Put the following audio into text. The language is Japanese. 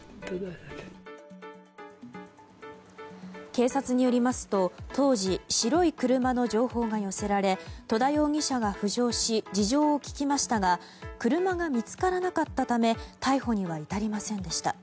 警察によりますと当時、白い車の情報が寄せられ戸田容疑者が浮上し事情を聴きましたが車が見つからなかったため逮捕には至りませんでした。